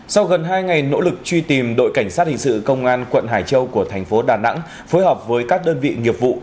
sau gần hai ngày nỗ lực truy tìm đội cảnh sát hình sự công an quận hải châu của thành phố đà nẵng phối hợp với các đơn vị nghiệp vụ